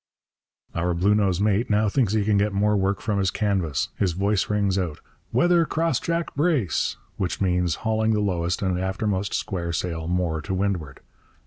Our Bluenose mate now thinks he can get more work from his canvas. His voice rings out: 'Weather crossjack brace!' which means hauling the lowest and aftermost square sail more to windward.